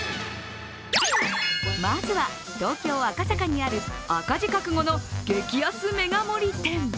まずは、東京・赤坂にある赤字覚悟の激安メガ盛り店。